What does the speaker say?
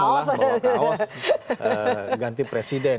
pada saat debat malah bawa kaos ganti presiden